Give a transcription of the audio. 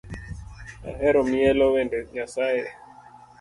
Ahero mielo wende Nyasae